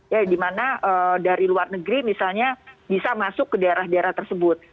ya dimana dari luar negeri misalnya bisa masuk ke daerah daerah tersebut